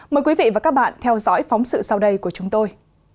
mời quý vị và các bạn theo dõi phóng sự sau đây của chúng tôi